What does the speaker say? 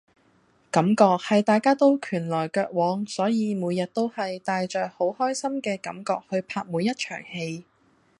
感覺係大家都係拳來腳往，所以每日都係帶着好開心嘅感覺去拍每一場戲